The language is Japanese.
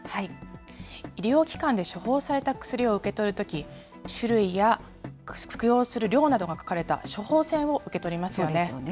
医療機関で処方された薬を受け取るとき、種類や服用する量などが書かれた処方箋を受け取りますよね。